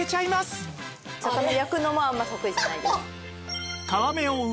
お魚焼くのもあまり得意じゃないです。